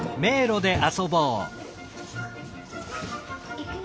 いくよ。